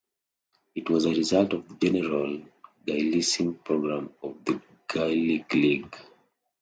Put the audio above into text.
It was a result of the general Gaelicising programme of the Gaelic League.